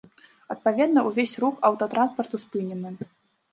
Адпаведна, увесь рух аўтатранспарту спынены.